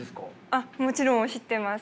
あっもちろん知ってます。